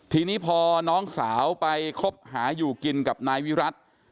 ทีนี้พอน้องสาวไปคบหาอยู่กินกับนายวิรัติ